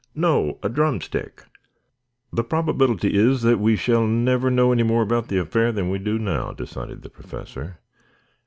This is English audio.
"No, a drumstick." "The probability is that we shall never know any more about the affair than we do now," decided the Professor.